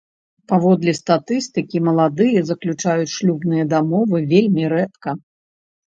Паводле статыстыкі, маладыя заключаюць шлюбныя дамовы вельмі рэдка.